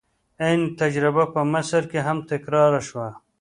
عین تجربه په مصر کې هم تکرار شوه.